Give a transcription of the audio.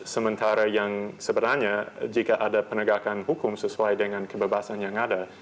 sementara yang sebenarnya jika ada penegakan hukum sesuai dengan kebebasan yang ada